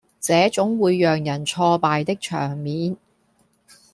這種會讓人挫敗的場面